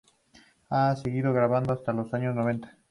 Ha seguido grabando hasta los años noventa.